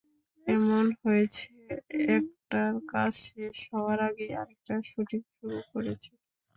এমন হয়েছে, একটার কাজ শেষ হওয়ার আগেই আরেকটার শুটিং শুরু করেছি।